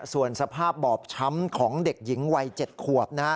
ส่วนสภาพบอบช้ำของเด็กหญิงวัย๗ขวบ